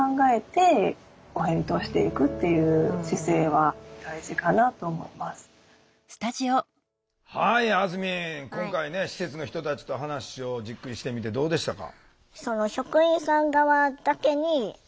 はいあずみん今回ね施設の人たちと話をじっくりしてみてどうでしたか？